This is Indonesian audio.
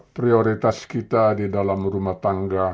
prioritas kita di dalam rumah tangga